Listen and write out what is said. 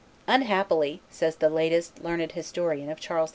"Unhappily," says the latest, learned historian of Charles VIII.